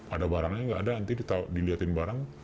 ada barangnya nggak ada nanti dilihatin barang